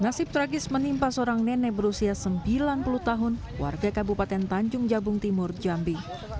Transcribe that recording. nasib tragis menimpa seorang nenek berusia sembilan puluh tahun warga kabupaten tanjung jabung timur jambi